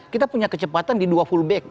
kita punya kecepatan di dua fullback